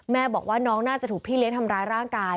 บอกว่าน้องน่าจะถูกพี่เลี้ยงทำร้ายร่างกาย